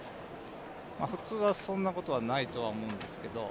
普通はそんなことはないとは思うんですけど。